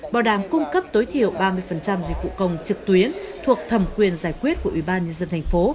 bảo đảm cung cấp tối thiểu ba mươi dịch vụ công trực tuyến thuộc thẩm quyền giải quyết của ubnd thành phố